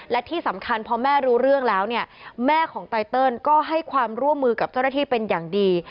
และที่สำคัญพอแม่รู้เรื่องแล้วเนี่ยแม่ของไตเติลก็ให้ความร่วมมือกับเจ้าหน้าที่เป็นอย่างดี